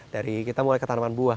dari kita mulai ke tanaman buah